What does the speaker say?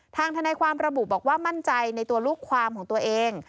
ทนายความระบุบอกว่ามั่นใจในตัวลูกความของตัวเอง